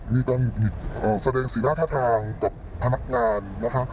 มีการเหยียดสแดงสิน่าท่าทางกับพนักงาน